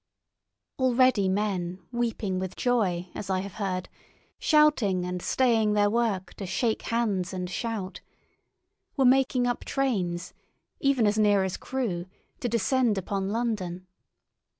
Already men, weeping with joy, as I have heard, shouting and staying their work to shake hands and shout, were making up trains, even as near as Crewe, to descend upon London.